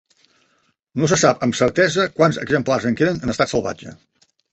No se sap amb certesa quants exemplars en queden en estat salvatge.